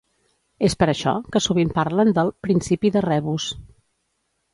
És per això que sovint parlen del «principi de rebus».